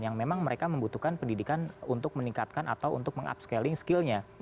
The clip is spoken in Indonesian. yang memang mereka membutuhkan pendidikan untuk meningkatkan atau untuk mengupscaling skillnya